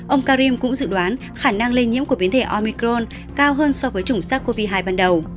ông karim cũng dự đoán khả năng lây nhiễm của biến thể omicron cao hơn so với chủng sars cov hai ban đầu